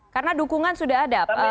karena dukungan sudah ada